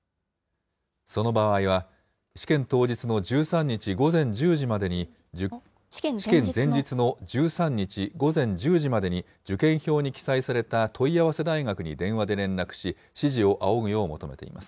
その場合は、試験前日の１３日午前１０時までに、試験前日の１３日午前１０時までに受験表に記載された問い合わせ大学に電話で連絡し、指示を仰ぐよう求めています。